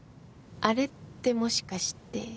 あれってもしかして。